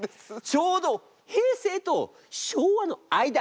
ちょうど平成と昭和の間！